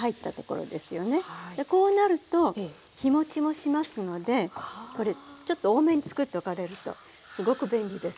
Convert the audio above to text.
こうなると日もちもしますのでちょっと多めにつくっておかれるとすごく便利です。